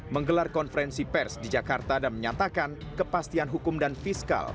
menggelar konferensi pers di jakarta dan menyatakan kepastian hukum dan fiskal